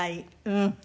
うん。